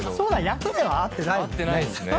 役では会ってないもんね。